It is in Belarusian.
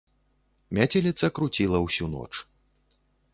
Мяцеліца круціла ўсю ноч.